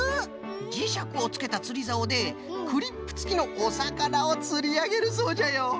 じしゃくをつけたつりざおでクリップつきのおさかなをつりあげるそうじゃよ。